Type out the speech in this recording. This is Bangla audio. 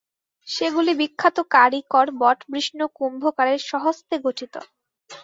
সেগুলি বিখ্যাত কারিকর বটবৃষ্ণ কুম্ভকারের স্বহস্তে গঠিত।